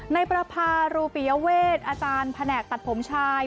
ในประพารูปิยเวทอาจารย์แผนกตัดผมชาย